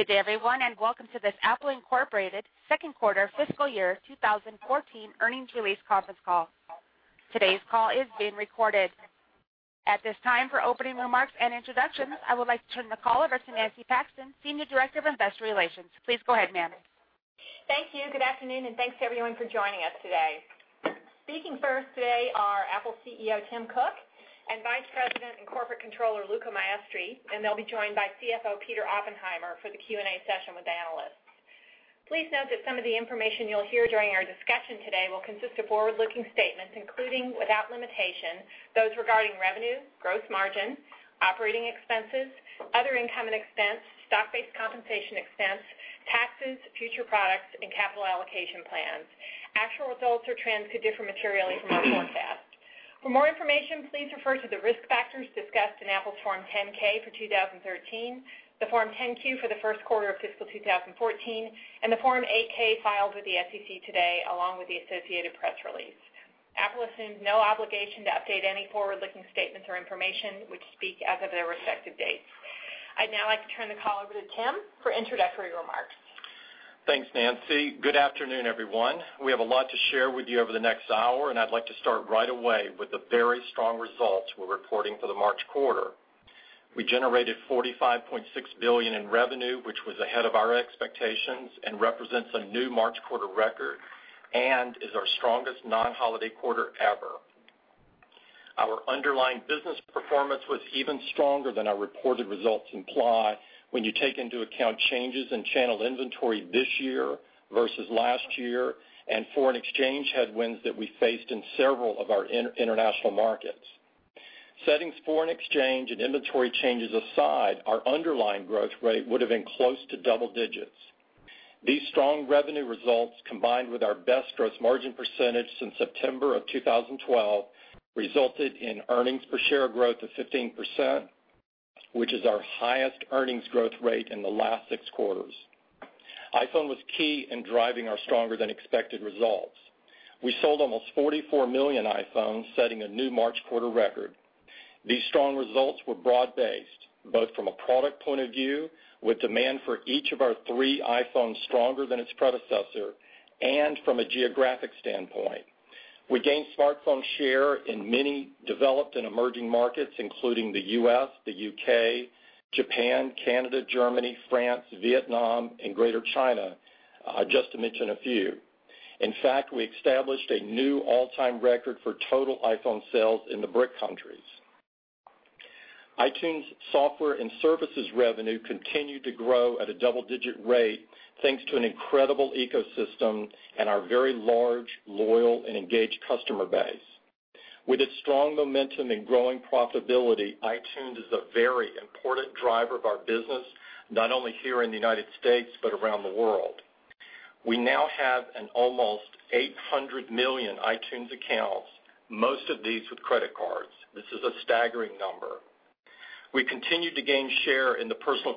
Good day, everyone. Welcome to this Apple Inc. second quarter FY 2014 earnings release conference call. Today's call is being recorded. At this time, for opening remarks and introductions, I would like to turn the call over to Nancy Paxton, Senior Director of Investor Relations. Please go ahead, ma'am. Thank you. Good afternoon, and thanks to everyone for joining us today. Speaking first today are Apple CEO Tim Cook and Vice President and Corporate Controller Luca Maestri, and they'll be joined by CFO Peter Oppenheimer for the Q&A session with analysts. Please note that some of the information you'll hear during our discussion today will consist of forward-looking statements, including, without limitation, those regarding revenue, gross margin, operating expenses, other income and expense, stock-based compensation expense, taxes, future products, and capital allocation plans. Actual results or trends could differ materially from our forecast. For more information, please refer to the risk factors discussed in Apple's Form 10-K for 2013, the Form 10-Q for the first quarter of fiscal 2014, and the Form 8-K filed with the SEC today, along with the associated press release. Apple assumes no obligation to update any forward-looking statements or information, which speak as of their respective dates. I'd now like to turn the call over to Tim for introductory remarks. Thanks, Nancy. Good afternoon, everyone. We have a lot to share with you over the next hour. I'd like to start right away with the very strong results we're reporting for the March quarter. We generated $45.6 billion in revenue, which was ahead of our expectations and represents a new March quarter record and is our strongest non-holiday quarter ever. Our underlying business performance was even stronger than our reported results imply when you take into account changes in channel inventory this year versus last year and foreign exchange headwinds that we faced in several of our international markets. Setting foreign exchange and inventory changes aside, our underlying growth rate would have been close to double-digits. These strong revenue results, combined with our best gross margin percentage since September of 2012, resulted in earnings per share growth of 15%, which is our highest earnings growth rate in the last six quarters. iPhone was key in driving our stronger than expected results. We sold almost 44 million iPhones, setting a new March quarter record. These strong results were broad-based, both from a product point of view, with demand for each of our three iPhones stronger than its predecessor and from a geographic standpoint. We gained smartphone share in many developed and emerging markets, including the U.S., the U.K., Japan, Canada, Germany, France, Vietnam, and Greater China, just to mention a few. In fact, we established a new all-time record for total iPhone sales in the BRIC countries. iTunes software and services revenue continued to grow at a double-digit rate, thanks to an incredible ecosystem and our very large, loyal, and engaged customer base. With its strong momentum and growing profitability, iTunes is a very important driver of our business, not only here in the United States, but around the world. We now have an almost 800 million iTunes accounts, most of these with credit cards. This is a staggering number. We continued to gain share in the personal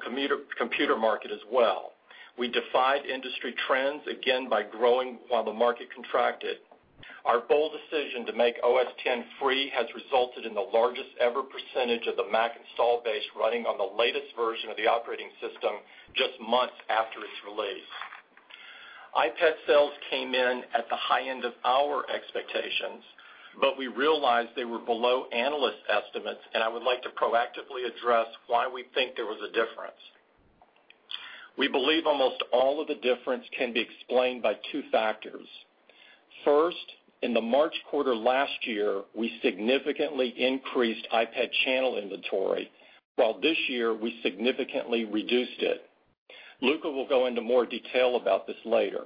computer market as well. We defied industry trends again by growing while the market contracted. Our bold decision to make OS X free has resulted in the largest ever percentage of the Mac install base running on the latest version of the operating system just months after its release. iPad sales came in at the high end of our expectations, but we realized they were below analyst estimates, and I would like to proactively address why we think there was a difference. We believe almost all of the difference can be explained by two factors. First, in the March quarter last year, we significantly increased iPad channel inventory, while this year we significantly reduced it. Luca will go into more detail about this later.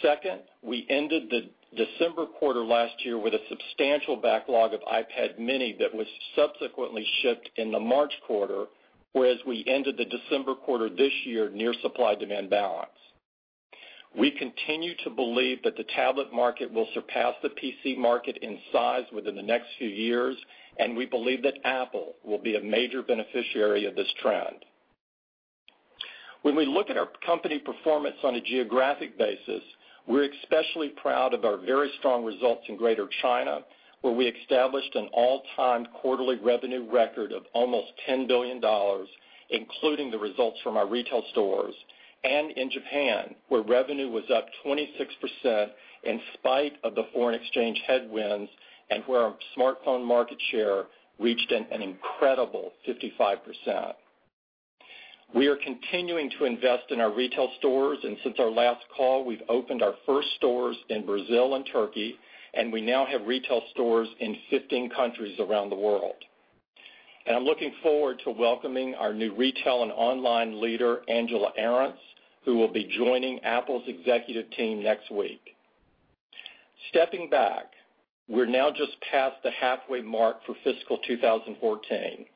Second, we ended the December quarter last year with a substantial backlog of iPad mini that was subsequently shipped in the March quarter, whereas we ended the December quarter this year near supply-demand balance. We continue to believe that the tablet market will surpass the PC market in size within the next few years, and we believe that Apple will be a major beneficiary of this trend. When we look at our company performance on a geographic basis, we're especially proud of our very strong results in Greater China, where we established an all-time quarterly revenue record of almost $10 billion, including the results from our retail stores, and in Japan, where revenue was up 26% in spite of the foreign exchange headwinds and where our smartphone market share reached an incredible 55%. We are continuing to invest in our retail stores, and since our last call, we've opened our first stores in Brazil and Turkey, and we now have retail stores in 15 countries around the world. I'm looking forward to welcoming our new retail and online leader, Angela Ahrendts, who will be joining Apple's executive team next week. Stepping back, we're now just past the halfway mark for fiscal 2014.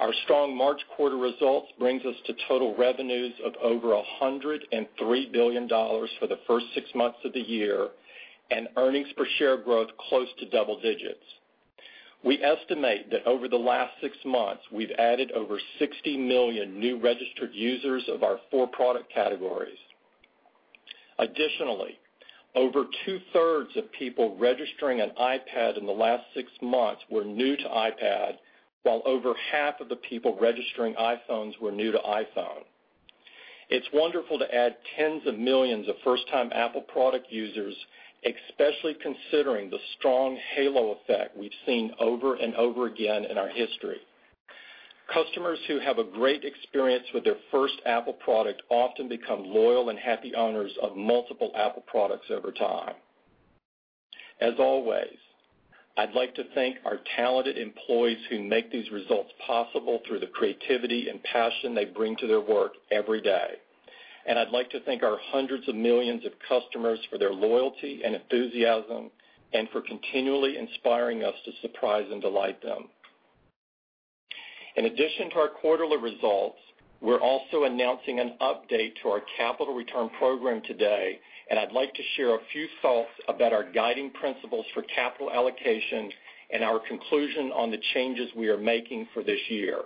Our strong March quarter results brings us to total revenues of over $103 billion for the first six months of the year and earnings per share growth close to double digits. We estimate that over the last six months, we've added over 60 million new registered users of our four product categories. Additionally, over two-thirds of people registering an iPad in the last six months were new to iPad, while over half of the people registering iPhones were new to iPhone. It's wonderful to add tens of millions of first-time Apple product users, especially considering the strong halo effect we've seen over and over again in our history. Customers who have a great experience with their first Apple product often become loyal and happy owners of multiple Apple products over time. As always, I'd like to thank our talented employees who make these results possible through the creativity and passion they bring to their work every day, and I'd like to thank our hundreds of millions of customers for their loyalty and enthusiasm and for continually inspiring us to surprise and delight them. In addition to our quarterly results, we're also announcing an update to our capital return program today, and I'd like to share a few thoughts about our guiding principles for capital allocation and our conclusion on the changes we are making for this year.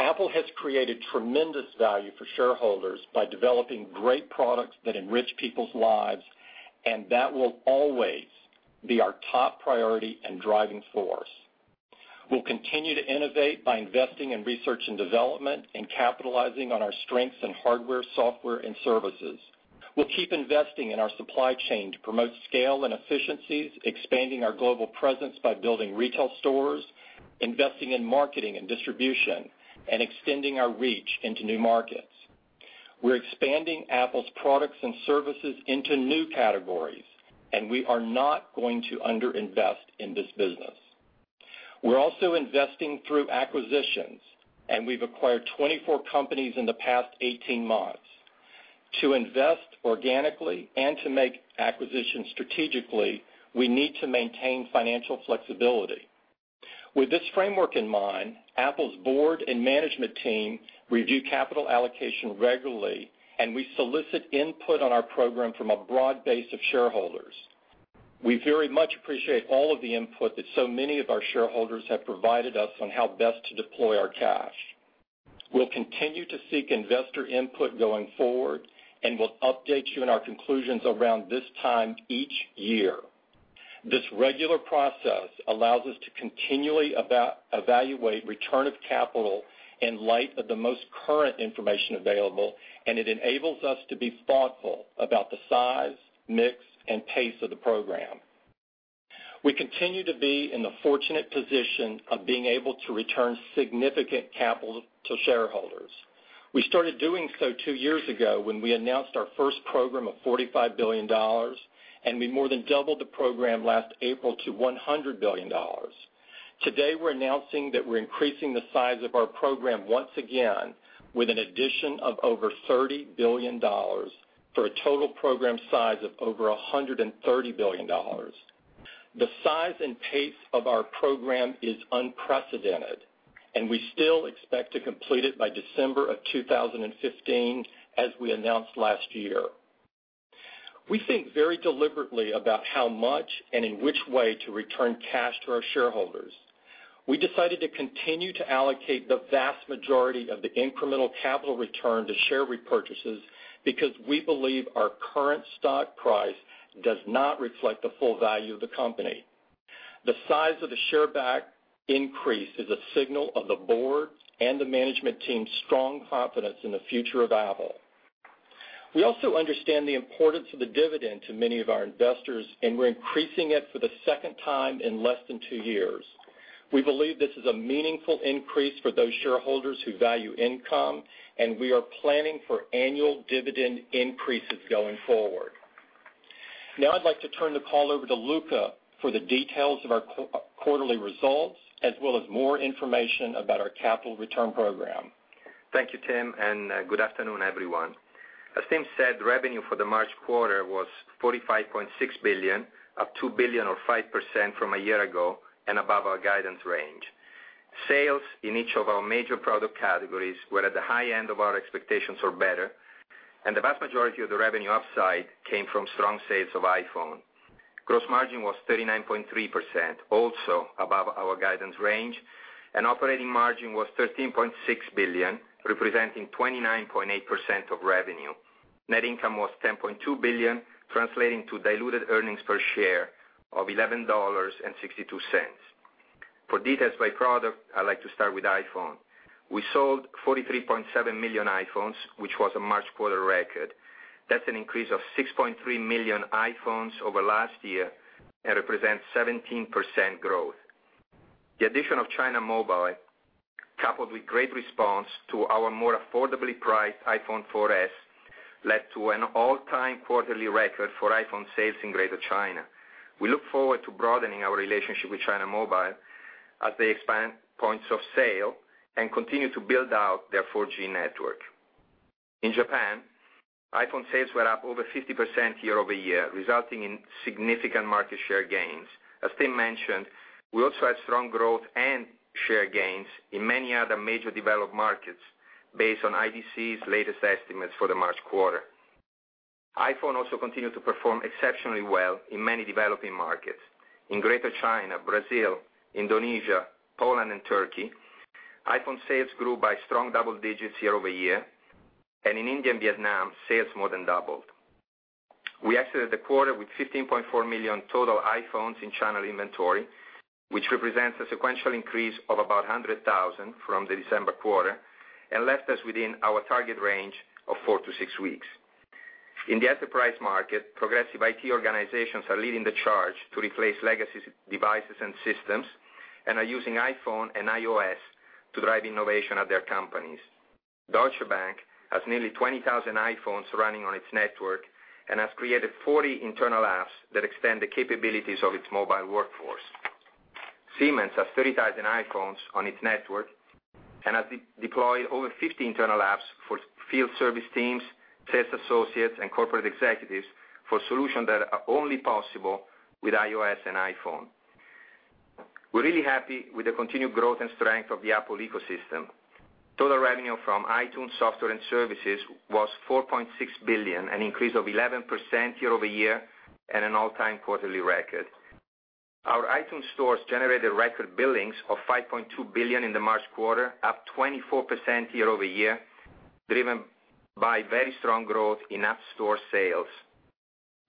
Apple has created tremendous value for shareholders by developing great products that enrich people's lives, and that will always be our top priority and driving force. We'll continue to innovate by investing in research and development and capitalizing on our strengths in hardware, software, and services. We'll keep investing in our supply chain to promote scale and efficiencies, expanding our global presence by building retail stores, investing in marketing and distribution, and extending our reach into new markets. We're expanding Apple's products and services into new categories, and we are not going to under-invest in this business. We're also investing through acquisitions, and we've acquired 24 companies in the past 18 months. To invest organically and to make acquisitions strategically, we need to maintain financial flexibility. With this framework in mind, Apple's board and management team review capital allocation regularly, and we solicit input on our program from a broad base of shareholders. We very much appreciate all of the input that so many of our shareholders have provided us on how best to deploy our cash. We'll continue to seek investor input going forward, and we'll update you on our conclusions around this time each year. This regular process allows us to continually evaluate return of capital in light of the most current information available, and it enables us to be thoughtful about the size, mix, and pace of the program. We continue to be in the fortunate position of being able to return significant capital to shareholders. We started doing so two years ago when we announced our first program of $45 billion, and we more than doubled the program last April to $100 billion. Today, we're announcing that we're increasing the size of our program once again with an addition of over $30 billion for a total program size of over $130 billion. The size and pace of our program is unprecedented, and we still expect to complete it by December 2015 as we announced last year. We think very deliberately about how much and in which way to return cash to our shareholders. We decided to continue to allocate the vast majority of the incremental capital return to share repurchases because we believe our current stock price does not reflect the full value of the company. The size of the share back increase is a signal of the board and the management team's strong confidence in the future of Apple. We also understand the importance of the dividend to many of our investors, and we're increasing it for the second time in less than two years. We believe this is a meaningful increase for those shareholders who value income, and we are planning for annual dividend increases going forward. I'd like to turn the call over to Luca for the details of our quarterly results as well as more information about our capital return program. Thank you, Tim. Good afternoon, everyone. As Tim said, revenue for the March quarter was $45.6 billion, up $2 billion or 5% from a year ago and above our guidance range. Sales in each of our major product categories were at the high end of our expectations or better, the vast majority of the revenue upside came from strong sales of iPhone. Gross margin was 39.3%, also above our guidance range, operating margin was $13.6 billion, representing 29.8% of revenue. Net income was $10.2 billion, translating to diluted earnings per share of $11.62. For details by product, I'd like to start with iPhone. We sold 43.7 million iPhones, which was a March quarter record. That's an increase of 6.3 million iPhones over last year and represents 17% growth. The addition of China Mobile, coupled with great response to our more affordably priced iPhone 4s, led to an all-time quarterly record for iPhone sales in Greater China. We look forward to broadening our relationship with China Mobile as they expand points of sale and continue to build out their 4G network. In Japan, iPhone sales were up over 50% year-over-year, resulting in significant market share gains. As Tim mentioned, we also had strong growth and share gains in many other major developed markets based on IDC's latest estimates for the March quarter. iPhone also continued to perform exceptionally well in many developing markets. In Greater China, Brazil, Indonesia, Poland, and Turkey-iPhone sales grew by strong double digits year-over-year, and in India and Vietnam, sales more than doubled. We exited the quarter with 15.4 million total iPhones in channel inventory, which represents a sequential increase of about 100,000 from the December quarter and left us within our target range of four to six weeks. In the enterprise market, progressive IT organizations are leading the charge to replace legacy devices and systems and are using iPhone and iOS to drive innovation at their companies. Deutsche Bank has nearly 20,000 iPhones running on its network and has created 40 internal apps that extend the capabilities of its mobile workforce. Siemens has 30,000 iPhones on its network and has deployed over 50 internal apps for field service teams, sales associates, and corporate executives for solutions that are only possible with iOS and iPhone. We're really happy with the continued growth and strength of the Apple ecosystem. Total revenue from iTunes software and services was $4.6 billion, an increase of 11% year-over-year and an all-time quarterly record. Our iTunes stores generated record billings of $5.2 billion in the March quarter, up 24% year-over-year, driven by very strong growth in App Store sales.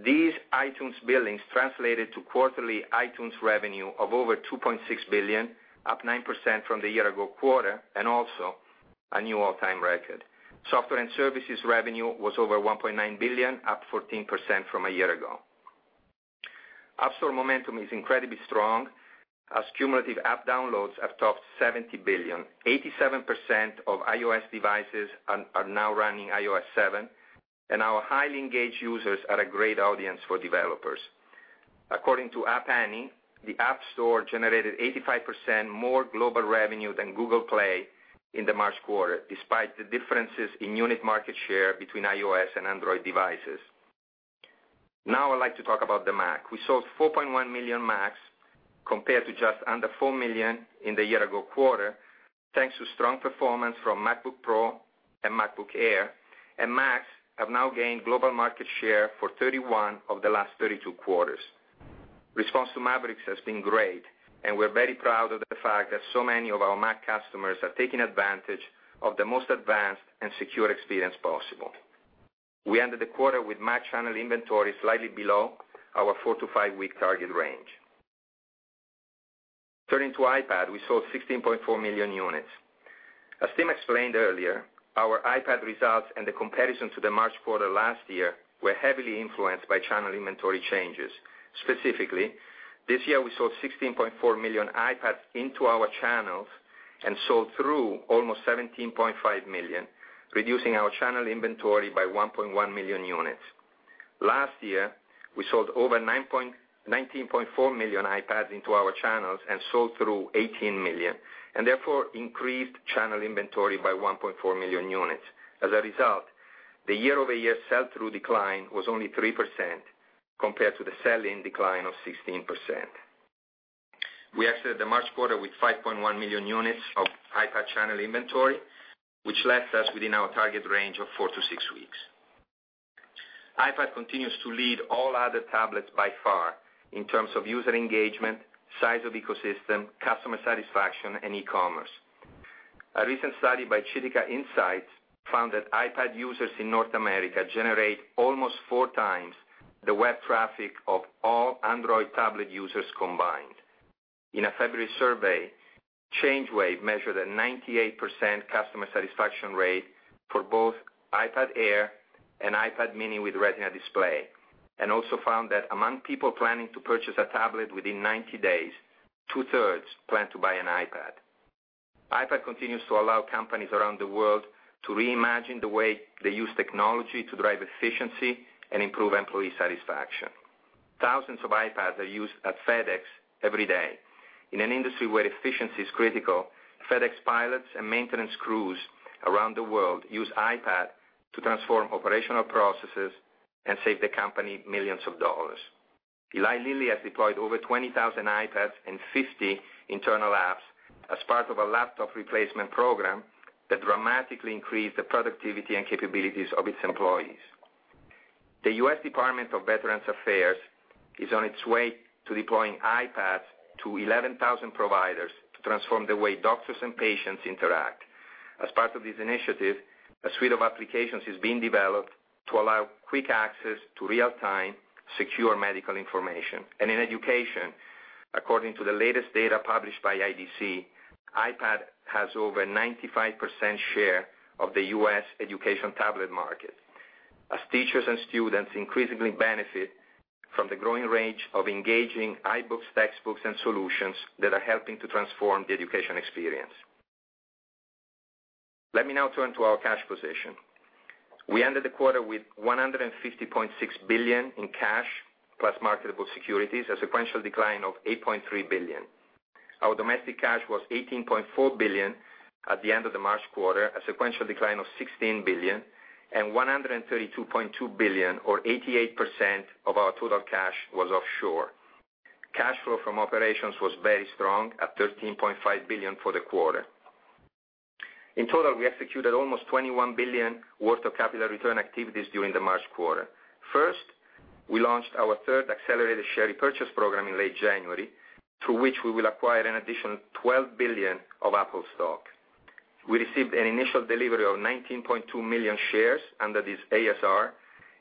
These iTunes billings translated to quarterly iTunes revenue of over $2.6 billion, up 9% from the year ago quarter, and also a new all-time record. Software and services revenue was over $1.9 billion, up 14% from a year ago. App Store momentum is incredibly strong as cumulative app downloads have topped 70 billion. 87% of iOS devices are now running iOS 7, and our highly engaged users are a great audience for developers. According to App Annie, the App Store generated 85% more global revenue than Google Play in the March quarter, despite the differences in unit market share between iOS and Android devices. I'd like to talk about the Mac. We sold 4.1 million Macs compared to just under 4 million in the year ago quarter, thanks to strong performance from MacBook Pro and MacBook Air. Macs have now gained global market share for 31 of the last 32 quarters. Response to Mavericks has been great, and we're very proud of the fact that so many of our Mac customers are taking advantage of the most advanced and secure experience possible. We ended the quarter with Mac channel inventory slightly below our four to five-week target range. Turning to iPad, we sold 16.4 million units. As Tim explained earlier, our iPad results and the comparison to the March quarter last year were heavily influenced by channel inventory changes. Specifically, this year we sold 16.4 million iPads into our channels and sold through almost 17.5 million, reducing our channel inventory by 1.1 million units. Last year, we sold over 19.4 million iPads into our channels and sold through 18 million, therefore increased channel inventory by 1.4 million units. As a result, the year-over-year sell-through decline was only 3% compared to the sell-in decline of 16%. We exited the March quarter with 5.1 million units of iPad channel inventory, which left us within our target range of four to six weeks. iPad continues to lead all other tablets by far in terms of user engagement, size of ecosystem, customer satisfaction, and e-commerce. A recent study by Chitika Insights found that iPad users in North America generate almost 4x the web traffic of all Android tablet users combined. In a February survey, ChangeWave measured a 98% customer satisfaction rate for both iPad Air and iPad mini with Retina display, and also found that among people planning to purchase a tablet within 90 days, two-thirds plan to buy an iPad. iPad continues to allow companies around the world to reimagine the way they use technology to drive efficiency and improve employee satisfaction. Thousands of iPads are used at FedEx every day. In an industry where efficiency is critical, FedEx pilots and maintenance crews around the world use iPad to transform operational processes and save the company millions of dollars. Eli Lilly has deployed over 20,000 iPads and 50 internal apps as part of a laptop replacement program that dramatically increased the productivity and capabilities of its employees. The U.S. Department of Veterans Affairs is on its way to deploying iPads to 11,000 providers to transform the way doctors and patients interact. As part of this initiative, a suite of applications is being developed to allow quick access to real-time, secure medical information. In education, according to the latest data published by IDC, iPad has over 95% share of the U.S. education tablet market as teachers and students increasingly benefit from the growing range of engaging iBooks, textbooks, and solutions that are helping to transform the education experience. Let me now turn to our cash position. We ended the quarter with $150.6 billion in cash plus marketable securities, a sequential decline of $8.3 billion. Our domestic cash was $18.4 billion at the end of the March quarter, a sequential decline of $16 billion, and $132.2 billion or 88% of our total cash was offshore. Cash flow from operations was very strong at $13.5 billion for the quarter. In total, we executed almost $21 billion worth of capital return activities during the March quarter. First, we launched our third accelerated share repurchase program in late January, through which we will acquire an additional $12 billion of Apple stock. We received an initial delivery of 19.2 million shares under this ASR,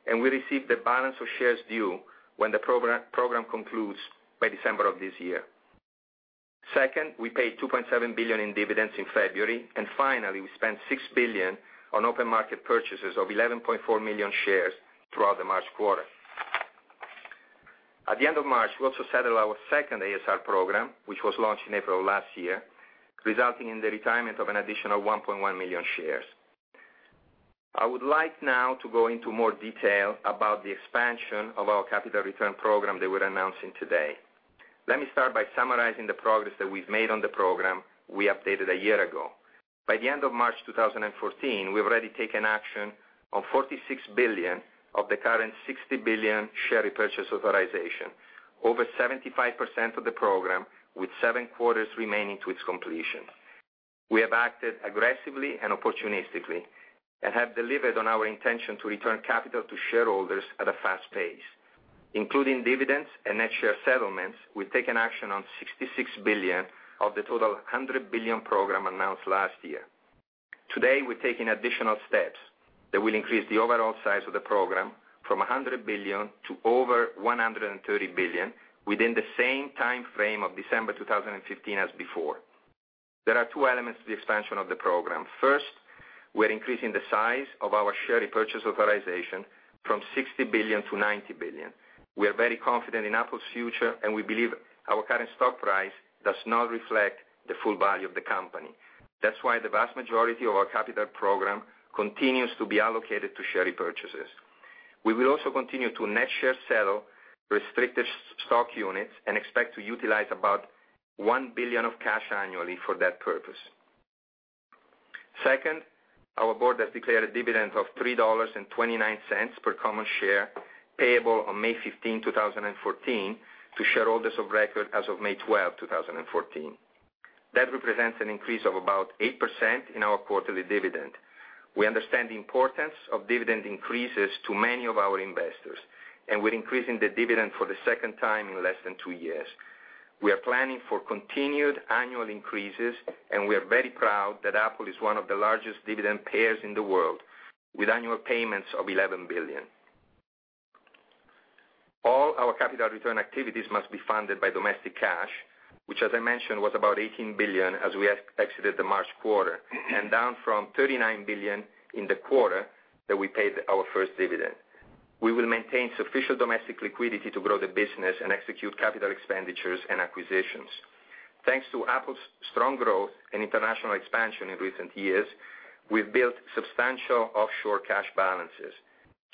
and we received the balance of shares due when the program concludes by December of this year. We paid $2.7 billion in dividends in February. Finally, we spent $6 billion on open market purchases of 11.4 million shares throughout the March quarter. At the end of March, we also settled our second ASR program, which was launched in April of last year, resulting in the retirement of an additional 1.1 million shares. I would like now to go into more detail about the expansion of our capital return program that we're announcing today. Let me start by summarizing the progress that we've made on the program we updated a year ago. By the end of March 2014, we've already taken action on $46 billion of the current $60 billion share repurchase authorization. Over 75% of the program with seven quarters remaining to its completion. We have acted aggressively and opportunistically and have delivered on our intention to return capital to shareholders at a fast pace. Including dividends and net share settlements, we've taken action on $66 billion of the total $100 billion program announced last year. Today, we're taking additional steps that will increase the overall size of the program from $100 billion to over $130 billion within the same timeframe of December 2015 as before. There are two elements to the expansion of the program. First, we're increasing the size of our share repurchase authorization from $60 billion to $90 billion. We are very confident in Apple's future, and we believe our current stock price does not reflect the full value of the company. That's why the vast majority of our capital program continues to be allocated to share repurchases. We will also continue to net share settle restricted stock units and expect to utilize about $1 billion of cash annually for that purpose. Second, our board has declared a dividend of $3.29 per common share payable on May 15, 2014 to shareholders of record as of May 12, 2014. That represents an increase of about 8% in our quarterly dividend. We understand the importance of dividend increases to many of our investors, and we're increasing the dividend for the second time in less than two years. We are planning for continued annual increases, and we are very proud that Apple is one of the largest dividend payers in the world with annual payments of $11 billion. All our capital return activities must be funded by domestic cash, which as I mentioned, was about $18 billion as we exited the March quarter and down from $39 billion in the quarter that we paid our first dividend. We will maintain sufficient domestic liquidity to grow the business and execute capital expenditures and acquisitions. Thanks to Apple's strong growth and international expansion in recent years, we've built substantial offshore cash balances.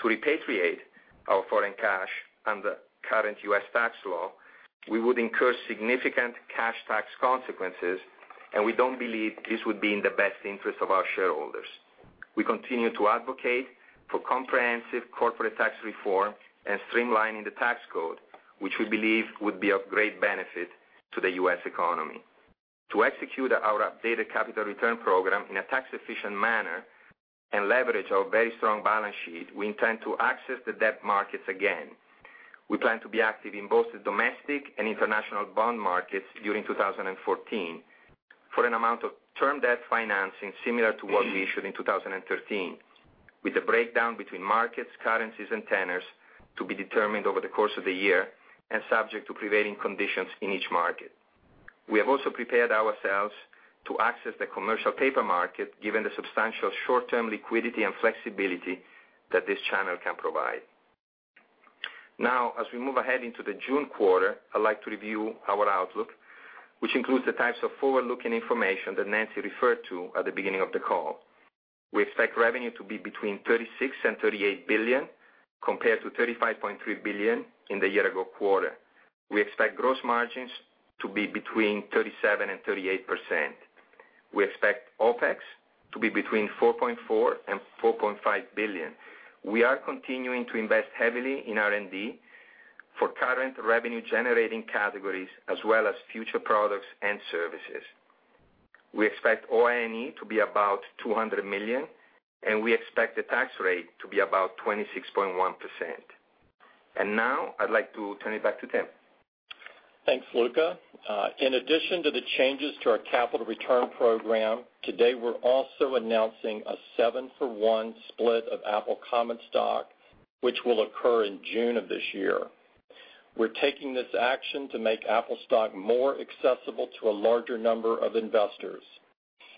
To repatriate our foreign cash under current U.S. tax law, we would incur significant cash tax consequences. We don't believe this would be in the best interest of our shareholders. We continue to advocate for comprehensive corporate tax reform and streamlining the tax code, which we believe would be of great benefit to the U.S. economy. To execute our updated capital return program in a tax-efficient manner and leverage our very strong balance sheet, we intend to access the debt markets again. We plan to be active in both the domestic and international bond markets during 2014 for an amount of term debt financing similar to what we issued in 2013 with the breakdown between markets, currencies, and tenors to be determined over the course of the year and subject to prevailing conditions in each market. We have also prepared ourselves to access the commercial paper market given the substantial short-term liquidity and flexibility that this channel can provide. As we move ahead into the June quarter, I'd like to review our outlook, which includes the types of forward-looking information that Nancy referred to at the beginning of the call. We expect revenue to be between $36 billion and $38 billion, compared to $35.3 billion in the year ago quarter. We expect gross margins to be between 37% and 38%. We expect OPEX to be between $4.4 billion and $4.5 billion. We are continuing to invest heavily in R&D for current revenue-generating categories as well as future products and services. We expect OIE to be about $200 million, and we expect the tax rate to be about 26.1%. Now I'd like to turn it back to Tim. Thanks, Luca. In addition to the changes to our capital return program, today we're also announcing a 7-for-1 split of Apple common stock, which will occur in June of this year. We're taking this action to make Apple stock more accessible to a larger number of investors.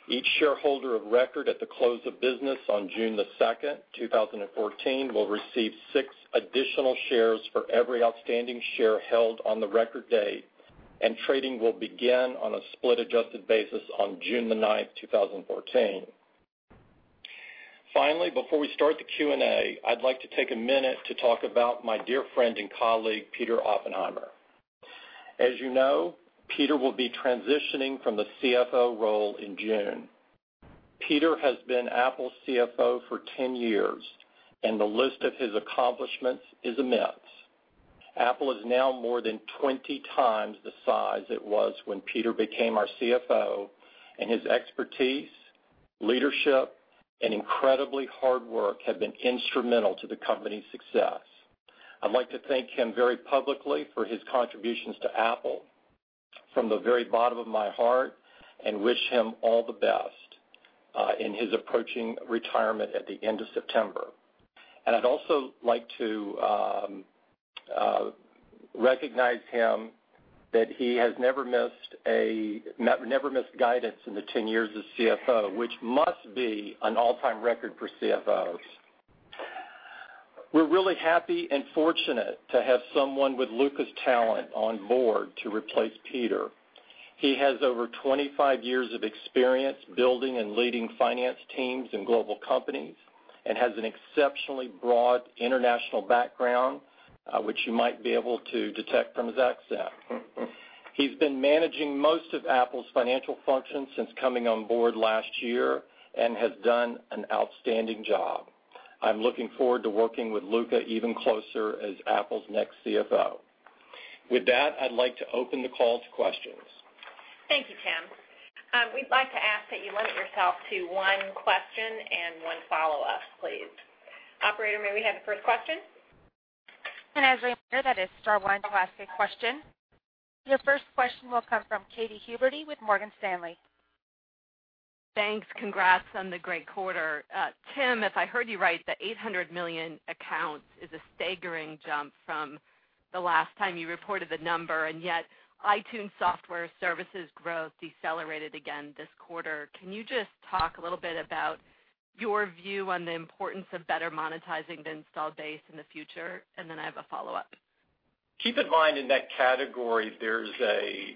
Each shareholder of record at the close of business on June 2, 2014 will receive six additional shares for every outstanding share held on the record date, trading will begin on a split adjusted basis on June 9, 2014. Before we start the Q&A, I'd like to take a minute to talk about my dear friend and colleague, Peter Oppenheimer. As you know, Peter will be transitioning from the CFO role in June. Peter has been Apple's CFO for 10 years, and the list of his accomplishments is immense. Apple is now more than 20x the size it was when Peter became our CFO, and his expertise, leadership, and incredibly hard work have been instrumental to the company's success. I'd like to thank him very publicly for his contributions to Apple from the very bottom of my heart and wish him all the best in his approaching retirement at the end of September. I'd also like to recognize him that he has never missed guidance in the 10 years as CFO, which must be an all-time record for CFOs. We're really happy and fortunate to have someone with Luca's talent on board to replace Peter. He has over 25 years of experience building and leading finance teams in global companies and has an exceptionally broad international background, which you might be able to detect from his accent. He's been managing most of Apple's financial functions since coming on board last year and has done an outstanding job. I'm looking forward to working with Luca even closer as Apple's next CFO. With that, I'd like to open the call to questions. Thank you, Tim. We'd like to ask that you limit yourself to one question and one follow-up, please. Operator, may we have the first question? As a reminder, that is star one to ask a question. Your first question will come from Katy Huberty with Morgan Stanley. Thanks. Congrats on the great quarter. Tim, if I heard you right, the 800 million accounts is a staggering jump from the last time you reported the number, and yet iTunes software services growth decelerated again this quarter. Can you just talk a little bit about your view on the importance of better monetizing the installed base in the future? Then I have a follow-up. Keep in mind, in that category, there's a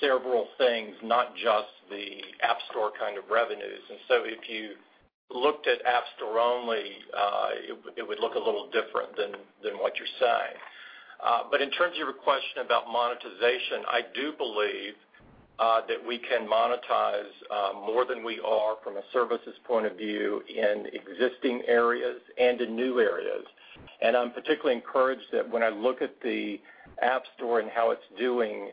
several things, not just the App Store kind of revenues. If you looked at App Store only, it would look a little different than what you're saying. In terms of your question about monetization, I do believe that we can monetize more than we are from a services point of view in existing areas and in new areas. I'm particularly encouraged that when I look at the App Store and how it's doing,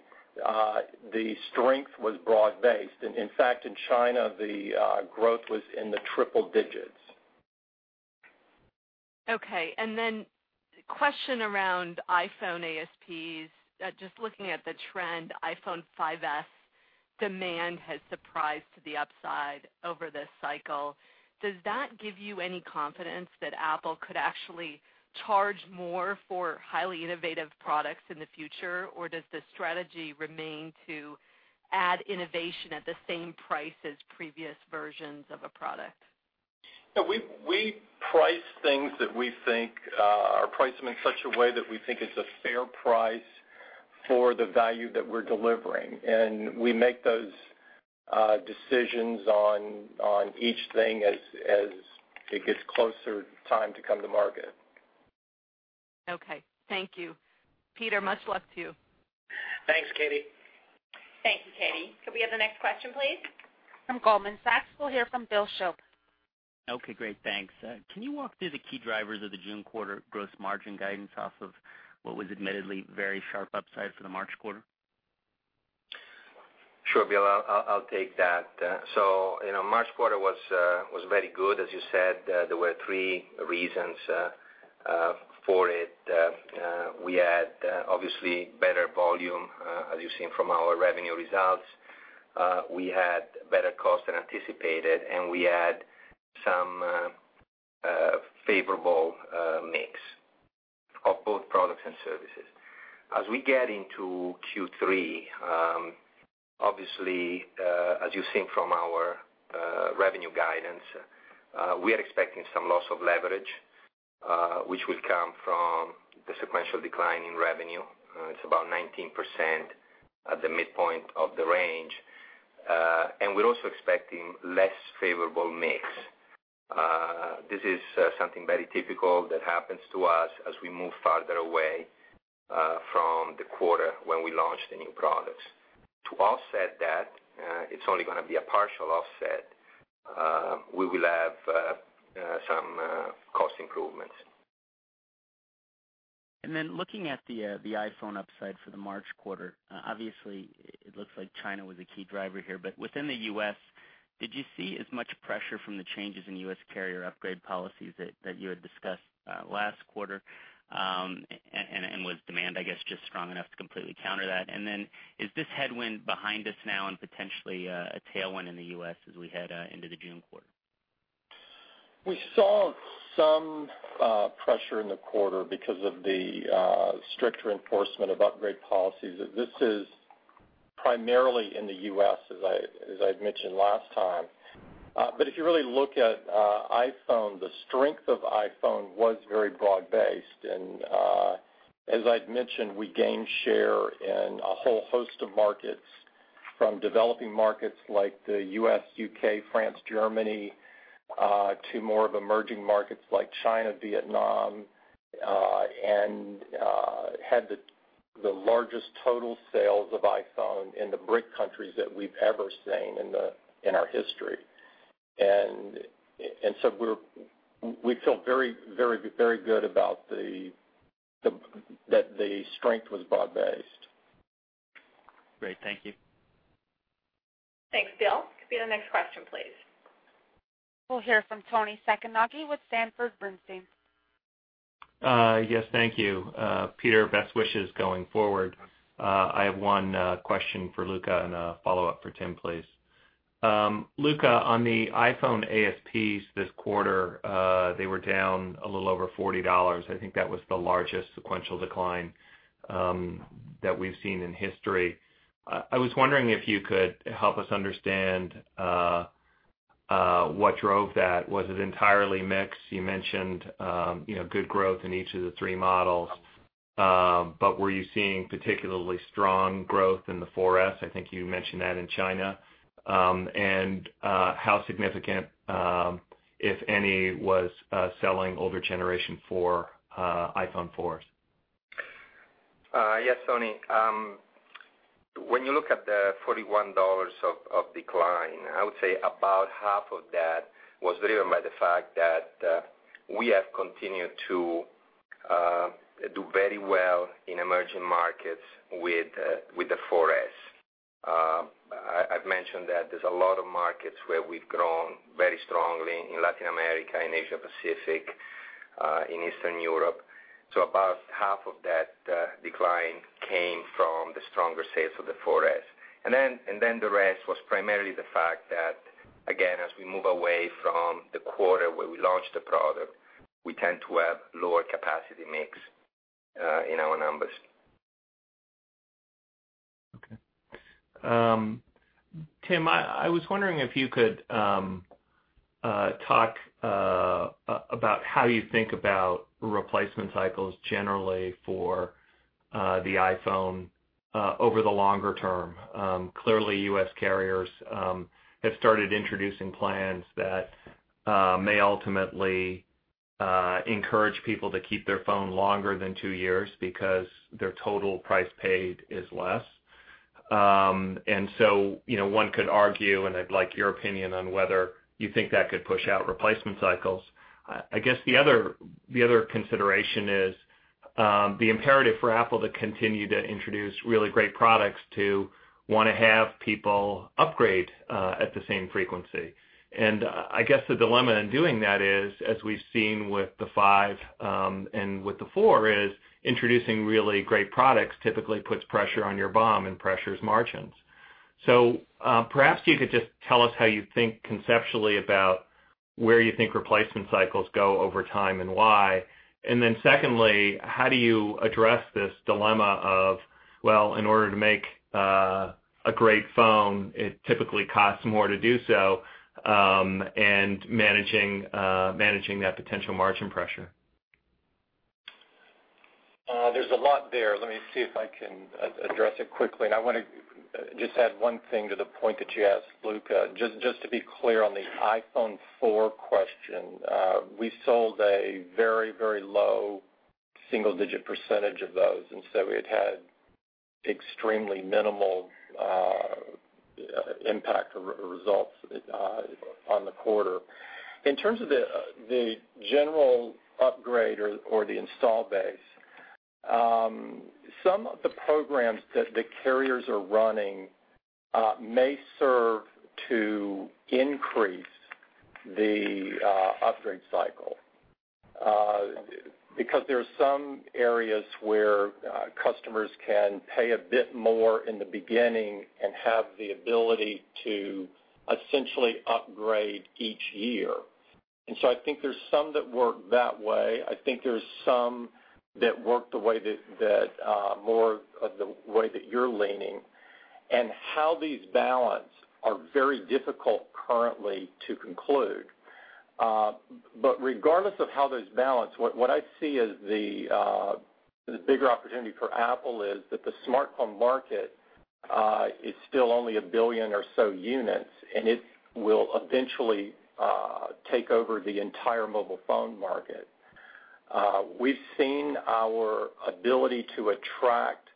the strength was broad-based. In fact, in China, the growth was in the triple digits. Okay. Question around iPhone ASPs. Just looking at the trend, iPhone 5s demand has surprised to the upside over this cycle. Does that give you any confidence that Apple could actually charge more for highly innovative products in the future, or does the strategy remain to add innovation at the same price as previous versions of a product? No, we price things that we think or price them in such a way that we think it's a fair price for the value that we're delivering. We make those decisions on each thing as it gets closer time to come to market. Okay. Thank you. Peter, much luck to you. Thanks, Katy. Thank you, Katy. Could we have the next question, please? From Goldman Sachs, we'll hear from Bill Shope. Okay, great. Thanks. Can you walk through the key drivers of the June quarter gross margin guidance off of what was admittedly very sharp upside for the March quarter? Sure, Bill, I'll take that. You know, March quarter was very good. As you said, there were three reasons for it. We had obviously better volume, as you've seen from our revenue results. We had better cost than anticipated, and we had some favorable mix of both products and services. As we get into Q3, obviously, as you've seen from our revenue guidance, we are expecting some loss of leverage, which will come from the sequential decline in revenue. It's about 19% at the midpoint of the range. We're also expecting less favorable mix. This is something very typical that happens to us as we move farther away from the quarter when we launched the new products. To offset that, it's only gonna be a partial offset, we will have some cost improvements. Looking at the iPhone upside for the March quarter, obviously it looks like China was a key driver here, but within the U.S., did you see as much pressure from the changes in U.S. carrier upgrade policies that you had discussed last quarter? Was demand, I guess, just strong enough to completely counter that? Is this headwind behind us now and potentially a tailwind in the U.S. as we head into the June quarter? We saw some pressure in the quarter because of the stricter enforcement of upgrade policies. This is primarily in the U.S. as I, as I'd mentioned last time. If you really look at iPhone, the strength of iPhone was very broad based. As I'd mentioned, we gained share in a whole host of markets from developing markets like the U.S., U.K., France, Germany, to more of emerging markets like China, Vietnam, and had the largest total sales of iPhone in the BRIC countries that we've ever seen in our history. We feel very good about that the strength was broad-based. Great. Thank you. Thanks, Bill. Could be the next question, please. We'll hear from Toni Sacconaghi with Sanford Bernstein. Yes, thank you. Peter, best wishes going forward. I have one question for Luca and a follow-up for Tim, please. Luca, on the iPhone ASPs this quarter, they were down a little over $40. I think that was the largest sequential decline that we've seen in history. I was wondering if you could help us understand what drove that. Was it entirely mix? You mentioned, you know, good growth in each of the three models, but were you seeing particularly strong growth in the 4s? I think you mentioned that in China. How significant, if any, was selling older generation four, iPhone 4s? Yes, Toni. When you look at the $41 of decline, I would say about half of that was driven by the fact that we have continued to do very well in emerging markets with the 4s. I've mentioned that there's a lot of markets where we've grown very strongly in Latin America, in Asia Pacific, in Eastern Europe. About half of that decline came from the stronger sales of the 4s. The rest was primarily the fact that, again, as we move away from the quarter where we launched the product, we tend to have lower capacity mix in our numbers. Okay. Tim, I was wondering if you could talk about how you think about replacement cycles generally for the iPhone over the longer term. Clearly, U.S. carriers have started introducing plans that may ultimately encourage people to keep their phone longer than two years because their total price paid is less. You know, one could argue, and I'd like your opinion on whether you think that could push out replacement cycles. I guess the other consideration is the imperative for Apple to continue to introduce really great products to wanna have people upgrade at the same frequency. I guess the dilemma in doing that is, as we've seen with the 5s, and with the 4s, is introducing really great products typically puts pressure on your BOM and pressures margins. Perhaps you could just tell us how you think conceptually about where you think replacement cycles go over time and why. Secondly, how do you address this dilemma of, well, in order to make a great phone, it typically costs more to do so, and managing that potential margin pressure? There's a lot there. Let me see if I can address it quickly. I wanna just add one thing to the point that you asked Luca. Just to be clear on the iPhone 4s question, we sold a very low single-digit percentage of those, and so it had extremely minimal impact or results on the quarter. In terms of the general upgrade or the install base, some of the programs that the carriers are running may serve to increase the upgrade cycle, because there are some areas where customers can pay a bit more in the beginning and have the ability to essentially upgrade each year. I think there's some that work that way. I think there's some that work the way that more of the way that you're leaning, and how these balance are very difficult currently to conclude. But regardless of how those balance, what I see is the bigger opportunity for Apple is that the smartphone market is still only 1 billion or so units, and it will eventually take over the entire mobile phone market. We've seen our ability to attract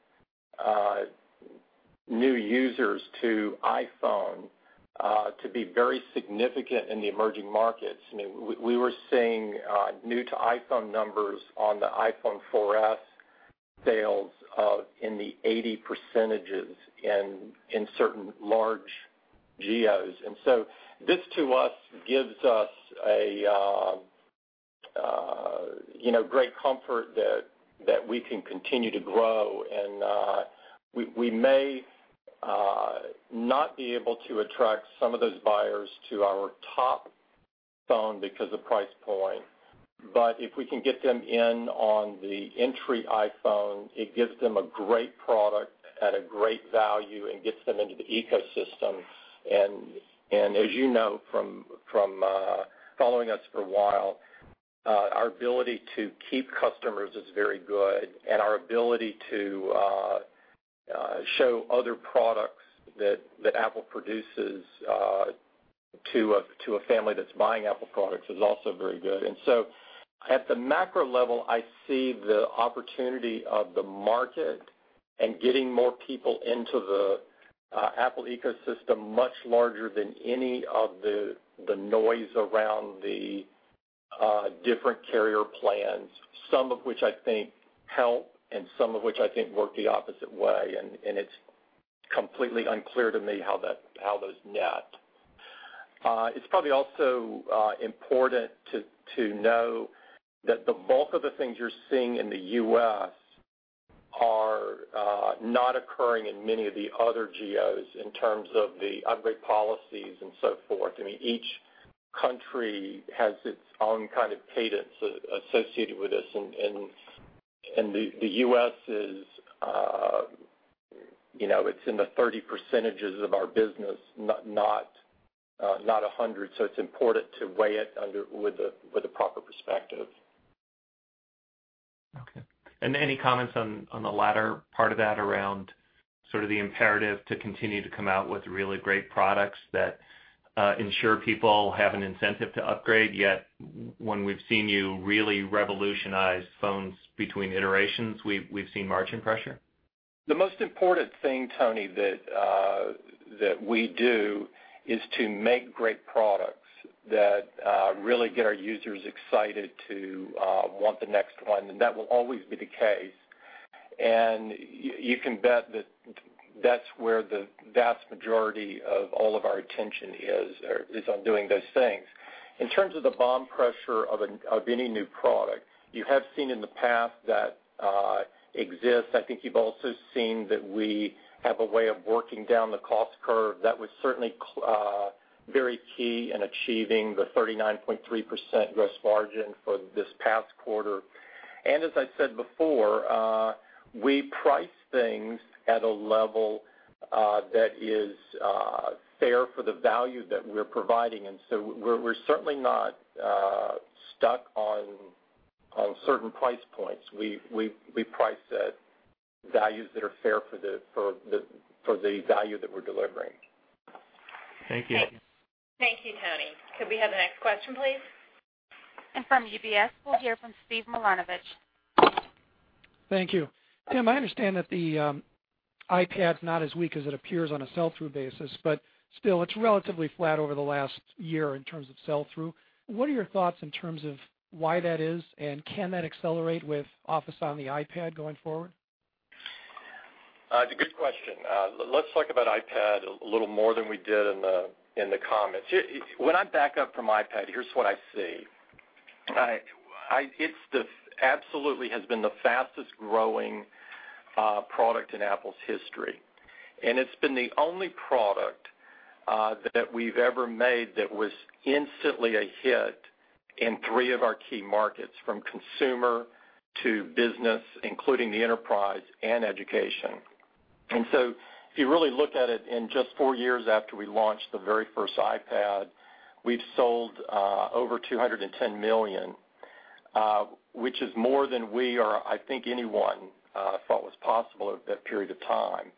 new users to iPhone to be very significant in the emerging markets. I mean, we were seeing new to iPhone numbers on the iPhone 4s sales in the 80% in certain large geos. This to us gives us a, you know, great comfort that we can continue to grow and we may not be able to attract some of those buyers to our top phone because of price point, but if we can get them in on the entry iPhone, it gives them a great product at a great value and gets them into the ecosystem. As you know from following us for a while, our ability to keep customers is very good, and our ability to show other products that Apple produces to a family that's buying Apple products is also very good. At the macro level, I see the opportunity of the market and getting more people into the Apple ecosystem much larger than any of the noise around the different carrier plans, some of which I think help and some of which I think work the opposite way. It's completely unclear to me how those net. It's probably also important to know that the bulk of the things you're seeing in the U.S. are not occurring in many of the other geos in terms of the upgrade policies and so forth. I mean, each country has its own kind of cadence associated with this. The U.S. is, you know, it's in the 30 percentages of our business, not 100. It's important to weigh it with a proper perspective. Okay. Any comments on the latter part of that around sort of the imperative to continue to come out with really great products that ensure people have an incentive to upgrade, yet when we've seen you really revolutionize phones between iterations, we've seen margin pressure? The most important thing, Toni, that we do is to make great products that really get our users excited to want the next one. That will always be the case. You can bet that that's where the vast majority of all of our attention is on doing those things. In terms of the BOM pressure of any new product, you have seen in the past that exists. I think you've also seen that we have a way of working down the cost curve. That was certainly very key in achieving the 39.3% gross margin for this past quarter. As I said before, we price things at a level that is fair for the value that we're providing. We're, we're certainly not stuck on certain price points. We price at values that are fair for the value that we're delivering. Thank you. Thank you, Toni. Could we have the next question, please? From UBS, we'll hear from Steve Milunovich. Thank you. Tim, I understand that the iPad's not as weak as it appears on a sell-through basis, but still it's relatively flat over the last year in terms of sell-through. What are your thoughts in terms of why that is, and can that accelerate with Office for iPad going forward? It's a good question. Let's talk about iPad a little more than we did in the comments. When I back up from iPad, here's what I see. I, it's the absolutely has been the fastest growing product in Apple's history. It's been the only product that we've ever made that was instantly a hit in three of our key markets, from consumer to business, including the enterprise and education. If you really look at it, in just four years after we launched the very first iPad, we've sold over 210 million, which is more than we or I think anyone thought was possible at that period of time.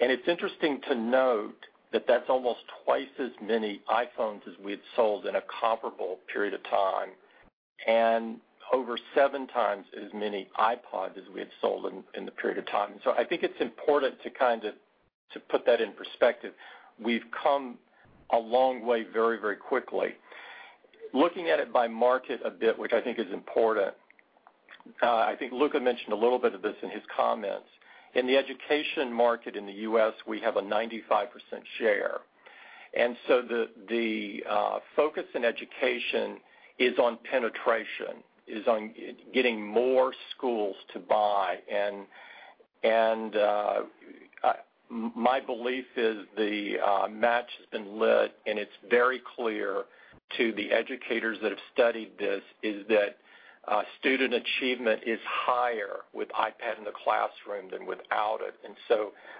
It's interesting to note that that's almost twice as many iPhones as we had sold in a comparable period of time, and over 7x as many iPods as we had sold in the period of time. I think it's important to put that in perspective. We've come a long way very, very quickly. Looking at it by market a bit, which I think is important, I think Luca mentioned a little bit of this in his comments. In the education market in the U.S., we have a 95% share. The focus in education is on penetration, is on getting more schools to buy. My belief is the match has been lit, and it's very clear to the educators that have studied this, is that student achievement is higher with iPad in the classroom than without it.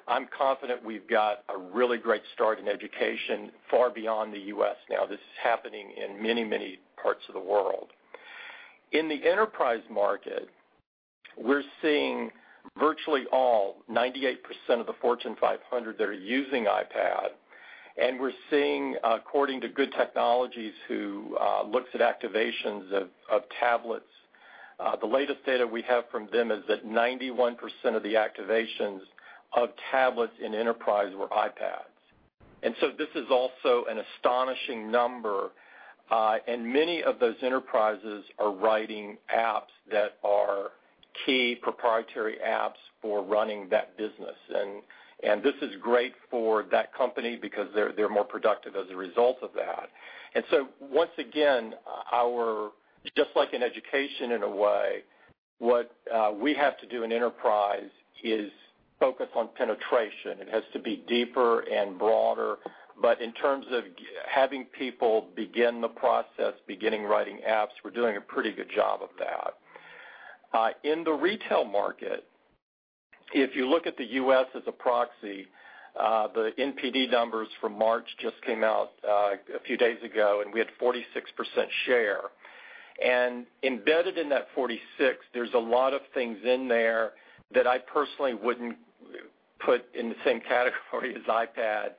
I'm confident we've got a really great start in education far beyond the U.S. now. This is happening in many, many parts of the world. In the enterprise market, we're seeing virtually all 98% of the Fortune 500 that are using iPad, and we're seeing, according to Good Technology, who looks at activations of tablets, the latest data we have from them is that 91% of the activations of tablets in enterprise were iPads. This is also an astonishing number, and many of those enterprises are writing apps that are key proprietary apps for running that business. This is great for that company because they're more productive as a result of that. Once again, our just like in education in a way, what we have to do in enterprise is focus on penetration. It has to be deeper and broader. In terms of having people begin the process, beginning writing apps, we're doing a pretty good job of that. In the retail market, if you look at the U.S. as a proxy, the NPD numbers from March just came out a few days ago, and we had 46% share. Embedded in that 46, there's a lot of things in there that I personally wouldn't put in the same category as iPad,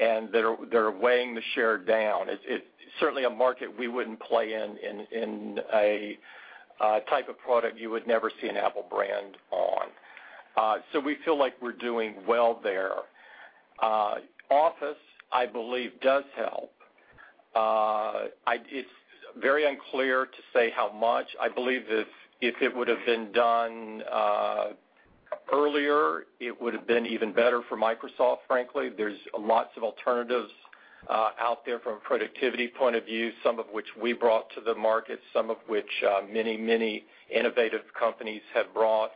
and they're weighing the share down. It certainly a market we wouldn't play in a type of product you would never see an Apple brand on. We feel like we're doing well there. Office, I believe, does help. It's very unclear to say how much. I believe if it would've been done earlier, it would've been even better for Microsoft, frankly. There's lots of alternatives out there from a productivity point of view, some of which we brought to the market, some of which many innovative companies have brought.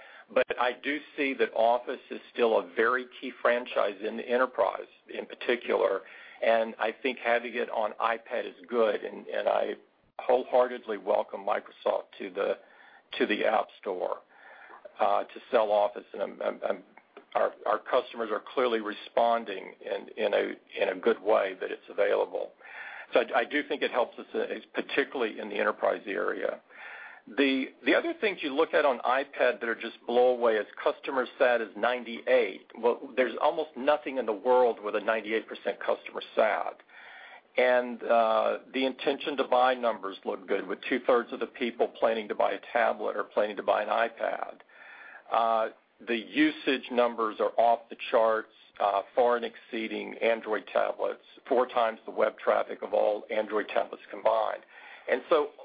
I do see that Office is still a very key franchise in the enterprise, in particular, and I think having it on iPad is good, and I wholeheartedly welcome Microsoft to the App Store to sell Office. Our customers are clearly responding in a good way that it's available. I do think it helps us particularly in the enterprise area. The other things you look at on iPad that are just blow away is customer sat is 98. There's almost nothing in the world with a 98% customer sat. The intention to buy numbers look good, with two-thirds of the people planning to buy a tablet or planning to buy an iPad. The usage numbers are off the charts, far and exceeding Android tablets, 4x the web traffic of all Android tablets combined.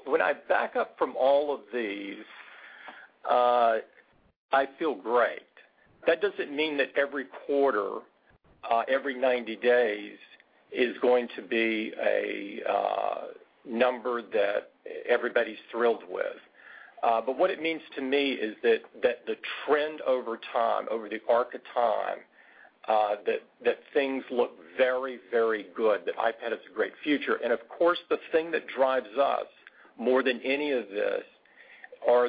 When I back up from all of these, I feel great. That doesn't mean that every quarter, every 90 days is going to be a number that everybody's thrilled with. What it means to me is that the trend over time, over the arc of time, that things look very, very good, that iPad has a great future. Of course, the thing that drives us more than any of this are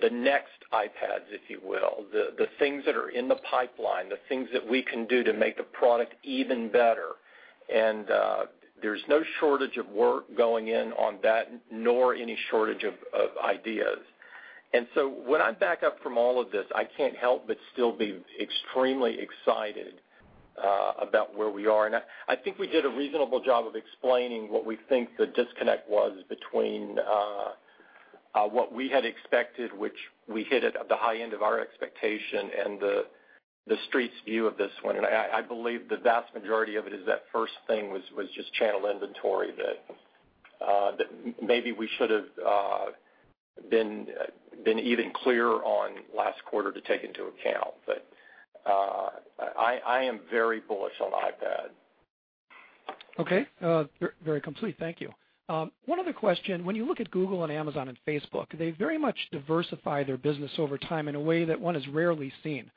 the next iPads, if you will, the things that are in the pipeline, the things that we can do to make the product even better. There's no shortage of work going in on that, nor any shortage of ideas. When I back up from all of this, I can't help but still be extremely excited about where we are. I think we did a reasonable job of explaining what we think the disconnect was between what we had expected, which we hit at the high end of our expectation and the Street's view of this one. I believe the vast majority of it is that first thing was just channel inventory that maybe we should have been even clearer on last quarter to take into account. I am very bullish on iPad. Okay. Very complete. Thank you. One other question. When you look at Google and Amazon and Facebook, they very much diversify their business over time in a way that one is rarely seen.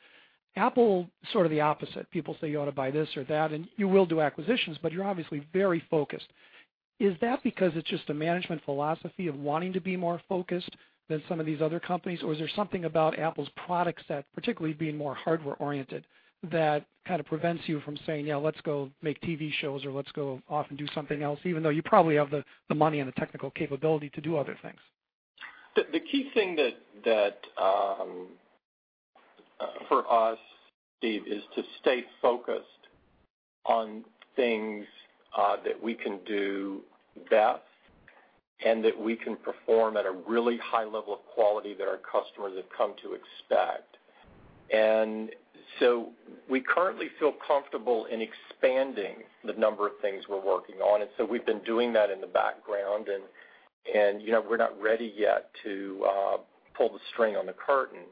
Apple, sort of the opposite. People say you ought to buy this or that, you will do acquisitions, but you're obviously very focused. Is that because it's just a management philosophy of wanting to be more focused than some of these other companies? Is there something about Apple's products that, particularly being more hardware-oriented, that kind of prevents you from saying, "Yeah, let's go make TV shows," or, "Let's go off and do something else," even though you probably have the money and the technical capability to do other things? The, the key thing that for us, Steve, is to stay focused on things that we can do best and that we can perform at a really high level of quality that our customers have come to expect. We currently feel comfortable in expanding the number of things we're working on, and so we've been doing that in the background. You know, we're not ready yet to pull the string on the curtain,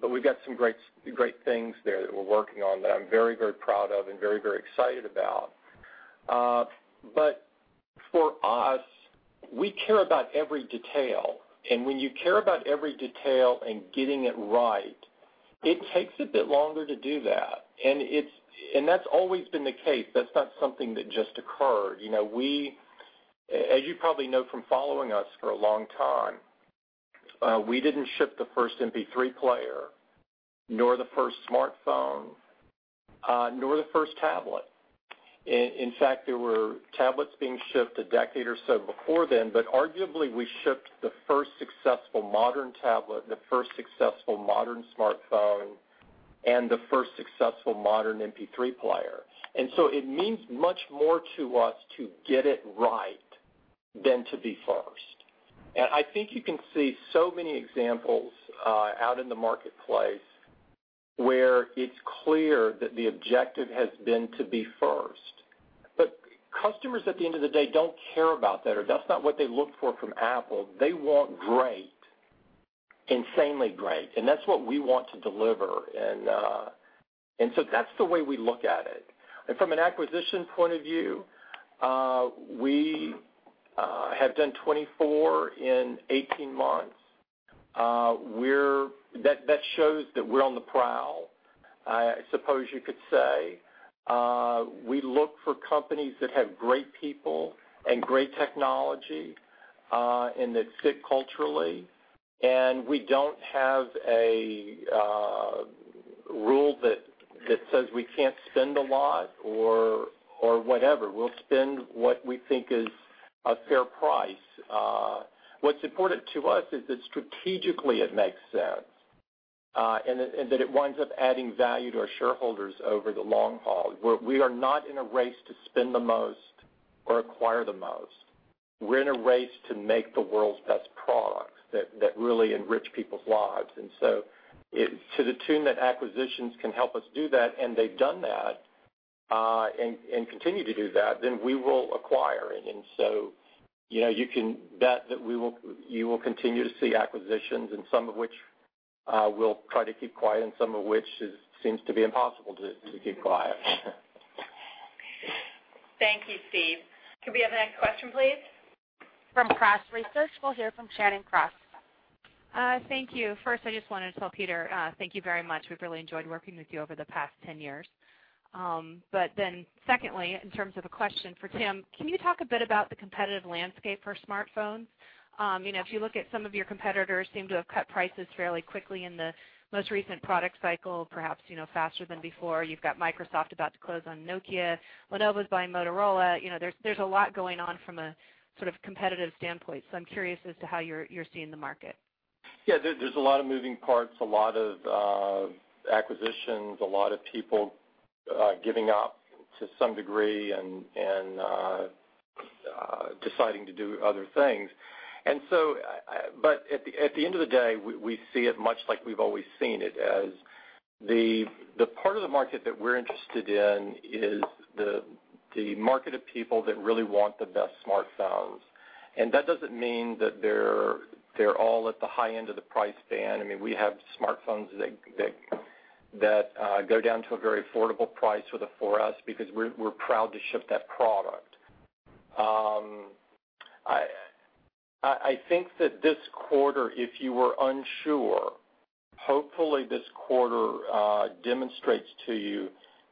but we've got some great things there that we're working on that I'm very, very proud of and very, very excited about. For us, we care about every detail. When you care about every detail and getting it right, it takes a bit longer to do that. That's always been the case. That's not something that just occurred. You know, we, as you probably know from following us for a long time, we didn't ship the first MP3 player, nor the first smartphone, nor the first tablet. In fact, there were tablets being shipped a decade or so before then, but arguably, we shipped the first successful modern tablet, the first successful modern smartphone, and the first successful modern MP3 player. It means much more to us to get it right than to be first. I think you can see so many examples out in the marketplace where it's clear that the objective has been to be first. Customers, at the end of the day, don't care about that, or that's not what they look for from Apple. They want great, insanely great, and that's what we want to deliver. That's the way we look at it. From an acquisition point of view, we have done 24 in 18 months. That shows that we're on the prowl, I suppose you could say. We look for companies that have great people and great technology, and that fit culturally, and we don't have a rule that says we can't spend a lot or whatever. We'll spend what we think is a fair price. What's important to us is that strategically it makes sense, and that it winds up adding value to our shareholders over the long haul. We are not in a race to spend the most or acquire the most. We're in a race to make the world's best products that really enrich people's lives. To the tune that acquisitions can help us do that, and they've done that, and continue to do that, then we will acquire it. You know, you can bet that you will continue to see acquisitions and some of which, we'll try to keep quiet and some of which is seems to be impossible to keep quiet. Thank you, Steve. Could we have the next question, please? From Cross Research, we'll hear from Shannon Cross. Thank you. First, I just wanted to tell Peter, thank you very much. We've really enjoyed working with you over the past 10 years. Secondly, in terms of a question for Tim, can you talk a bit about the competitive landscape for smartphones? You know, if you look at some of your competitors seem to have cut prices fairly quickly in the most recent product cycle, perhaps, you know, faster than before. You've got Microsoft about to close on Nokia. Lenovo's buying Motorola. You know, there's a lot going on from a sort of competitive standpoint. I'm curious as to how you're seeing the market. There's a lot of moving parts, a lot of acquisitions, a lot of people giving up to some degree and deciding to do other things. But at the end of the day, we see it much like we've always seen it, as the part of the market that we're interested in is the market of people that really want the best smartphones. That doesn't mean that they're all at the high end of the price band. I mean, we have smartphones that go down to a very affordable price with the 4s because we're proud to ship that product. I think that this quarter, if you were unsure, hopefully this quarter demonstrates to you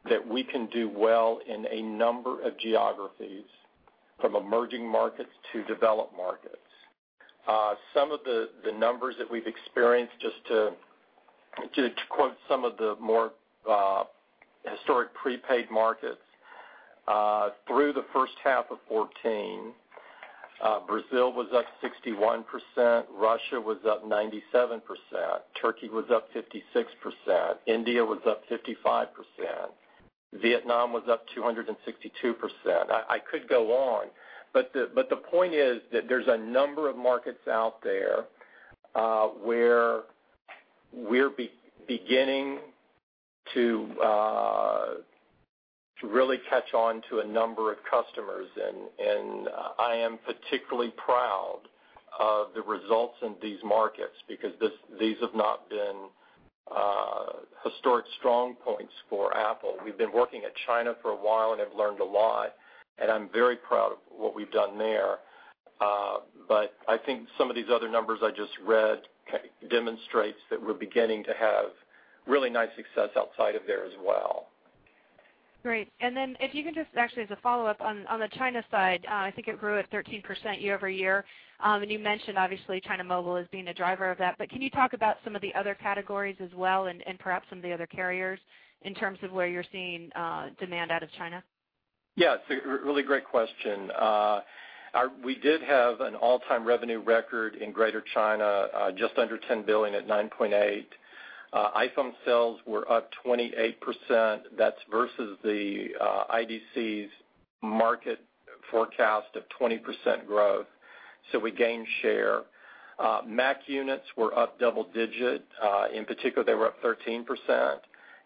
that we can do well in a number of geographies, from emerging markets to developed markets. Some of the numbers that we've experienced, just to quote some of the more historic prepaid markets, through the first half of 2014, Brazil was up 61%, Russia was up 97%, Turkey was up 56%, India was up 55%, Vietnam was up 262%. I could go on, the point is that there's a number of markets out there, where we're beginning to really catch on to a number of customers. I am particularly proud of the results in these markets because these have not been historic strong points for Apple. We've been working at China for a while and have learned a lot, and I'm very proud of what we've done there. I think some of these other numbers I just read demonstrates that we're beginning to have really nice success outside of there as well. Great. If you can just actually, as a follow-up on the China side, I think it grew at 13% year-over-year. You mentioned obviously China Mobile as being a driver of that. Can you talk about some of the other categories as well and perhaps some of the other carriers in terms of where you're seeing demand out of China? It's a really great question. We did have an all-time revenue record in Greater China, just under $10 billion at $9.8 billion. iPhone sales were up 28%. That's versus the IDC's market forecast of 20% growth. We gained share. Mac units were up double-digit. In particular, they were up 13%,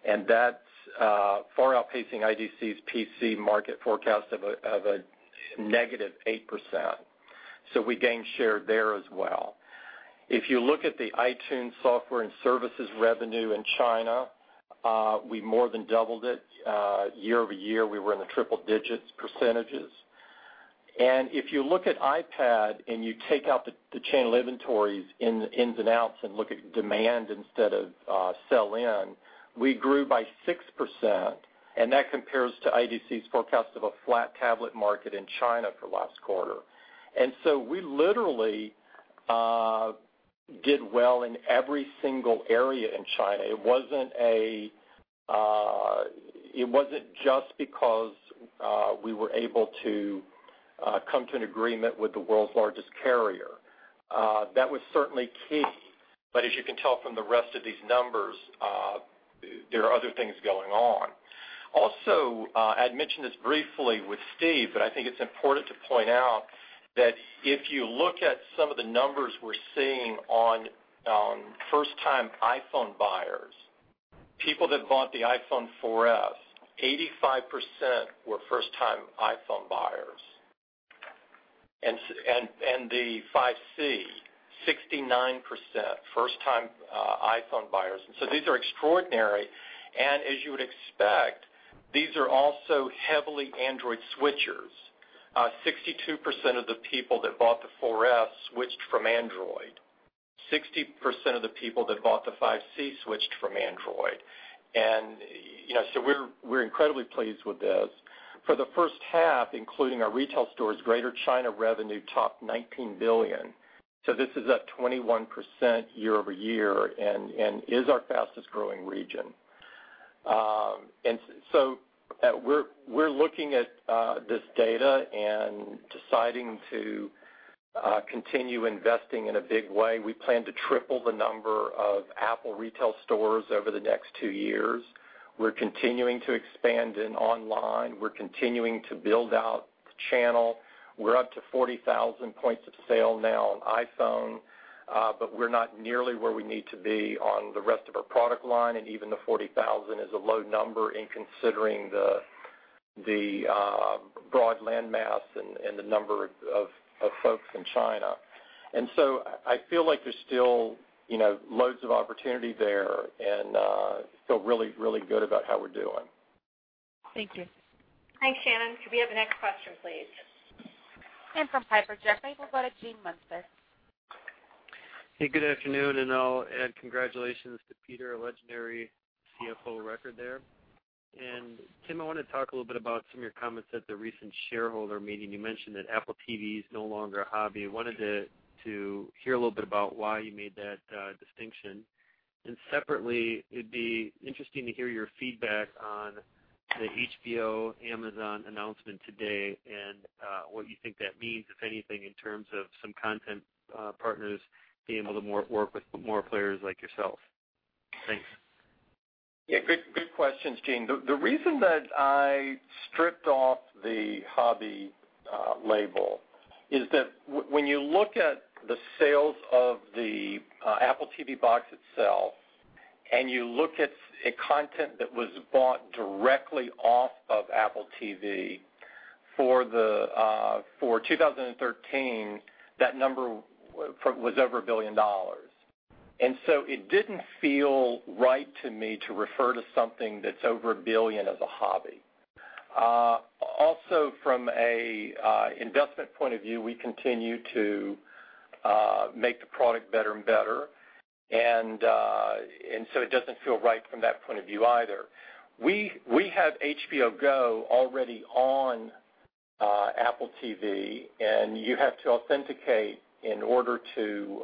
and that's far outpacing IDC's PC market forecast of a negative 8%. We gained share there as well. If you look at the iTunes software and services revenue in China, we more than doubled it. Year-over-year, we were in the triple-digit percentages. If you look at iPad and you take out the channel inventories in the ins and outs and look at demand instead of sell-in, we grew by 6%, that compares to IDC's forecast of a flat tablet market in China for last quarter. We literally did well in every single area in China. It wasn't just because we were able to come to an agreement with the world's largest carrier. That was certainly key. As you can tell from the rest of these numbers, there are other things going on. Also, I'd mentioned this briefly with Steve, but I think it's important to point out that if you look at some of the numbers we're seeing on first time iPhone buyers, people that bought the iPhone 4s, 85% were first time iPhone buyers. The 5c, 69% first time iPhone buyers. These are extraordinary. As you would expect, these are also heavily Android switchers. 62% of the people that bought the 4s switched from Android. 60% of the people that bought the 5c switched from Android. You know, so we're incredibly pleased with this. For the first half, including our retail stores, Greater China revenue topped $19 billion. This is up 21% year-over-year and is our fastest growing region. We're looking at this data and deciding to continue investing in a big way. We plan to triple the number of Apple retail stores over the next two years. We're continuing to expand in online. We're continuing to build out the channel. We're up to 40,000 points of sale now on iPhone, but we're not nearly where we need to be on the rest of our product line, and even the 40,000 is a low number in considering the broad landmass and the number of folks in China. I feel like there's still, you know, loads of opportunity there and feel really good about how we're doing. Thank you. Thanks, Shannon. Could we have the next question, please? From Piper Jaffray, we'll go to Gene Munster. Good afternoon, I'll add congratulations to Peter Oppenheimer, a legendary CFO record there. Tim Cook, I wanna talk a little bit about some of your comments at the recent shareholder meeting. You mentioned that Apple TV is no longer a hobby. I wanted to hear a little bit about why you made that distinction. Separately, it'd be interesting to hear your feedback on the HBO Amazon announcement today and what you think that means, if anything, in terms of some content partners being able to work with more players like yourself. Thanks. Yeah, good questions, Gene. The reason that I stripped off the hobby label is that when you look at the sales of the Apple TV box itself, and you look at a content that was bought directly off of Apple TV for 2013, that number was over $1 billion. It didn't feel right to me to refer to something that's over $1 billion as a hobby. Also from a investment point of view, we continue to make the product better and better. It doesn't feel right from that point of view either. We have HBO Go already on Apple TV, and you have to authenticate in order to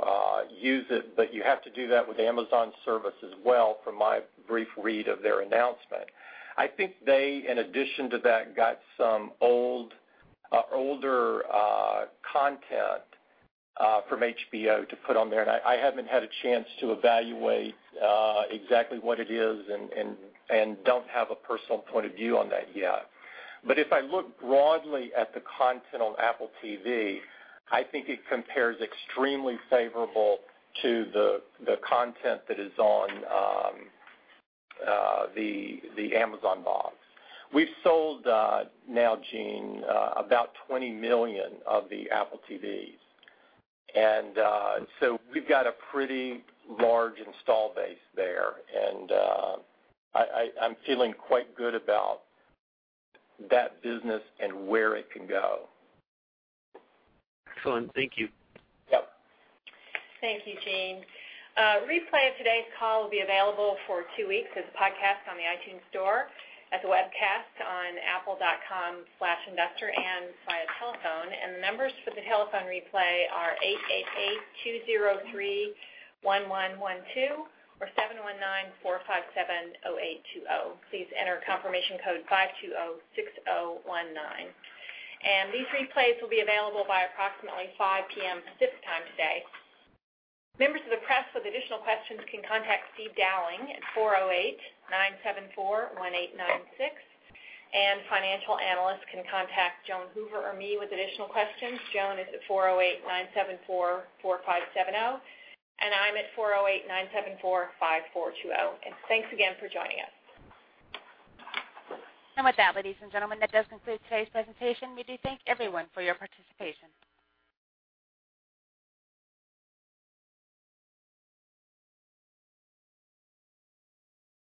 use it, but you have to do that with Amazon service as well from my brief read of their announcement. I think they, in addition to that, got some old, older, content from HBO to put on there, and I haven't had a chance to evaluate exactly what it is and don't have a personal point of view on that yet. If I look broadly at the content on Apple TV, I think it compares extremely favorable to the content that is on the Amazon box. We've sold, now, Gene, about 20 million of the Apple TVs. We've got a pretty large install base there and, I'm feeling quite good about that business and where it can go. Excellent. Thank you. Yep. Thank you, Gene. A replay of today's call will be available for two weeks as a podcast on the iTunes Store, as a webcast on apple.com/investor and via telephone. The numbers for the telephone replay are 888-203-1112 or 719-457-0820. Please enter confirmation code 5206019. These replays will be available by approximately 5:00 P.M. Pacific Time today. Members of the press with additional questions can contact Steve Dowling at 408-974-1896, and financial analysts can contact Joan Hoover or me with additional questions. Joan is at 408-974-4570, and I'm at 408-974-5420. Thanks again for joining us. With that, ladies and gentlemen, that does conclude today's presentation. We do thank everyone for your participation.